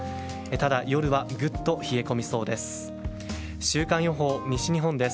ただ、夜はぐっと冷え込みそうです。